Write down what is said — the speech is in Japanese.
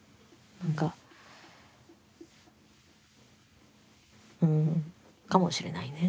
何かうんかもしれないね。